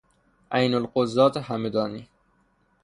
عینالقضات همدانی